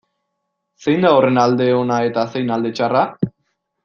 Zein da horren alde ona eta zein alde txarra?